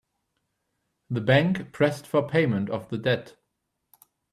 The bank pressed for payment of the debt.